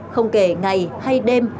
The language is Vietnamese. không kể ngày hay đêm